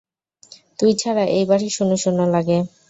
তুই ছাড়া এই বাড়ি শূন্য শূন্য লাগে।